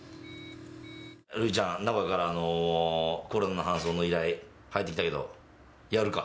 塁ちゃん、名古屋からコロナの搬送の依頼、入ってきたけど、やるか？